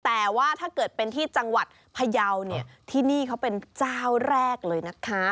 แต่ว่าถ้าเกิดเป็นที่จังหวัดพยาวเนี่ยที่นี่เขาเป็นเจ้าแรกเลยนะคะ